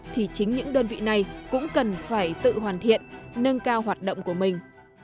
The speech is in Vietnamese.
thì chính những đơn vị này cũng cần phải tự hoàn thiện nâng cao hoạt động của mình